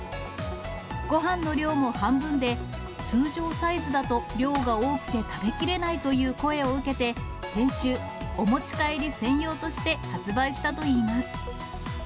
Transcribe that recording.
ごはんの量も半分で、通常サイズだと量が多くて食べきれないという声を受けて、先週、お持ち帰り専用として発売したといいます。